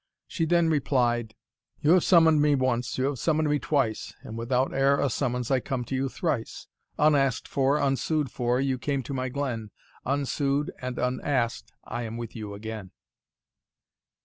She then replied, "You have summon'd me once you have summoned me twice, And without e'er a summons I come to you thrice; Unask'd for, unsued for, you came to my glen; Unsued and unask'd I am with you again."